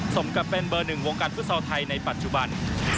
สมกับเป็นเบอร์หนึ่งวงการฟุตซอลไทยในปัจจุบัน